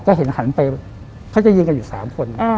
ก็เห็นหันไปเขาจะยืนกันอยู่๓คน